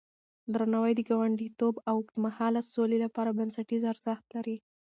درناوی د ګاونډيتوب او اوږدمهاله سولې لپاره بنسټيز ارزښت لري.